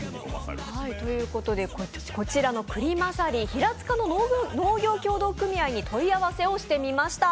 こちらのクリマサリ、平塚の農業協同組合に問い合わせしてみました。